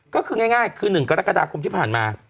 ก็คือง่ายคือ๑กรกฎาคมที่ผ่านมา